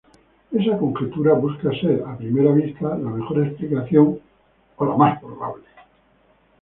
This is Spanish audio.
Esa conjetura busca ser, a primera vista, la mejor explicación, o la más probable.